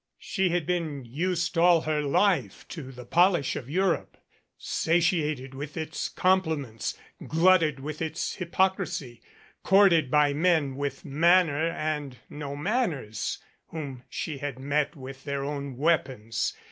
She had been used all her life to the polish of Europe, sa tiated with its compliments, glutted with its hypocrisy, courted by men with manner and no manners, whom she had met with their own weapons.